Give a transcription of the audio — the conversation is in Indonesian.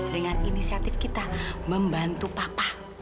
dengan inisiatif kita membantu papa